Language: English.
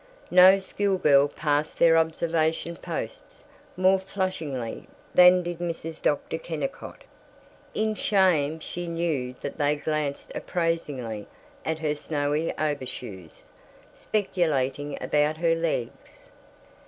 No schoolgirl passed their observation posts more flushingly than did Mrs. Dr. Kennicott. In shame she knew that they glanced appraisingly at her snowy overshoes, speculating about her legs.